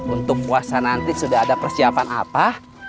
untuk puasa nanti sudah ada persiapan apa